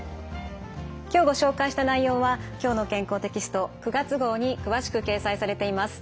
今日ご紹介した内容は「きょうの健康」テキスト９月号に詳しく掲載されています。